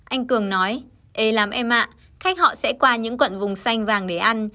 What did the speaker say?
anh cường nói ê làm em ạ khách họ sẽ qua những quận vùng xanh vàng để ăn